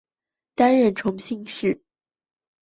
担任重庆市綦江县委书记。